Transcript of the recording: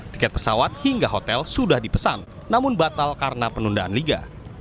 tiket pesawat hingga hotel sudah dipesan namun batal karena penundaan liga